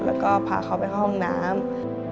แล้วก็พาเขาไปเข้าห้องน้ำ